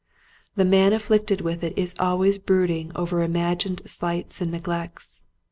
The man afflicted with it is always brooding over imagined slights and neglects.